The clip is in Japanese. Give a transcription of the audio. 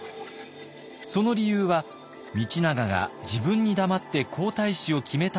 その理由は道長が自分に黙って皇太子を決めたことでした。